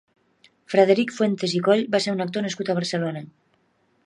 Frederic Fuentes i Coll va ser un actor nascut a Barcelona.